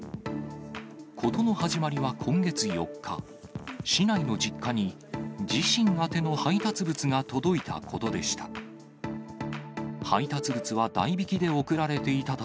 事の始まりは今月４日、市内の実家に自身宛ての配達物が届いたことでした。